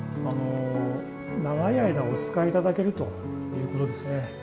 長い間お使い頂けるということですね。